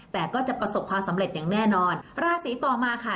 แต่ก็จะประสบความสำเร็จอย่างแน่นอนราศีต่อมาค่ะ